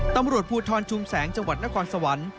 ตำรวจภูทรชุมแสงจังหวัดนครสวรรค์